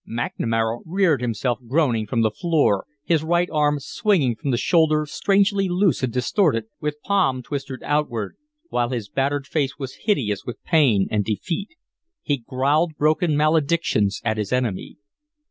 McNamara reared himself groaning from the floor, his right arm swinging from the shoulder strangely loose and distorted, with palm twisted outward, while his battered face was hideous with pain and defeat. He growled broken maledictions at his enemy.